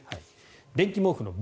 電気毛布のＢ